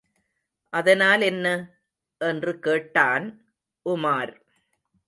அதனாலென்ன? என்று கேட்டான் உமார்.